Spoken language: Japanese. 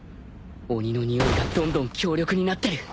鬼のにおいがどんどん強力になってる。